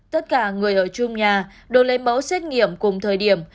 tất cả người ở chung nhà đều lấy mẫu xét nghiệm cùng thời điểm